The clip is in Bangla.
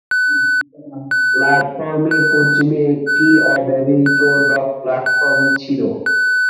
প্ল্যাটফর্মের পশ্চিমে একটি অব্যবহৃত ডক প্ল্যাটফর্ম ছিল।